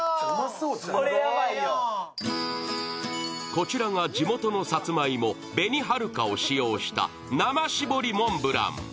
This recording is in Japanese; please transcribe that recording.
こちらが地元のさつまいも紅はるかを使用した生搾りモンブラン。